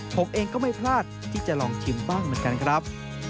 ผมเองก็ไม่พลาดที่จะลองชิมบ้างเหมือนกันครับ